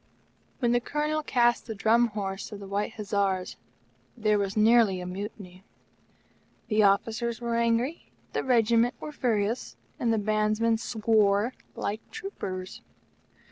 When the Colonel cast the Drum horse of the White Hussars, there was nearly a mutiny. The officers were angry, the Regiment were furious, and the Bandsman swore like troopers.